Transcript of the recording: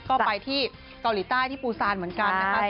ก็ไปที่เกาหลีใต้ที่ปูซานเหมือนกันนะคะ